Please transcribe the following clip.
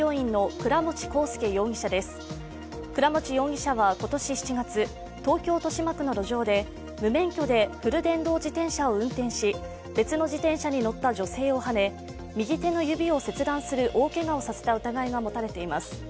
倉持容疑者は今年７月東京・豊島区の路上で無免許でフル電動自転車を運転し別の自転車に乗った女性をはね、右手の指を切断する大けがをさせた疑いが持たれています